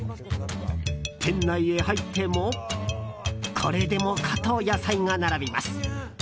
店内へ入ってもこれでもかと野菜が並びます。